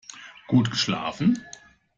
Gut geschlafen?